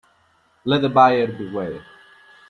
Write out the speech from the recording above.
Let the buyer beware.